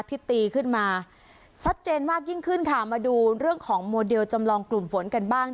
ที่ตีขึ้นมาชัดเจนมากยิ่งขึ้นค่ะมาดูเรื่องของโมเดลจำลองกลุ่มฝนกันบ้าง